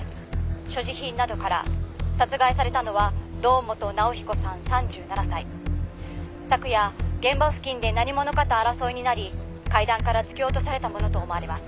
「所持品などから殺害されたのは堂本直彦さん３７歳」「昨夜現場付近で何者かと争いになり階段から突き落とされたものと思われます」